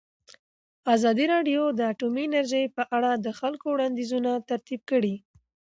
ازادي راډیو د اټومي انرژي په اړه د خلکو وړاندیزونه ترتیب کړي.